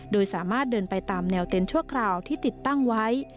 โดยสามารถเดินไปตามแนวเต็นต์ชั่วคราวที่ติดตั้งไว้